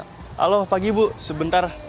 halo pagi ibu sebentar